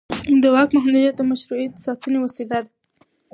د واک محدودیت د مشروعیت ساتنې وسیله ده